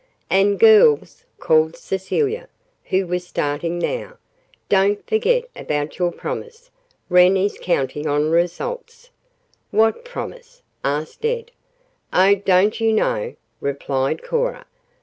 "And, girls," called Cecilia, who was starting now, "don't forget about your promise. Wren is counting on results." "What promise?" asked Ed. "Oh, don't you know?" replied Cora.